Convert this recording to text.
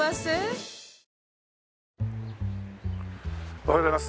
おはようございます。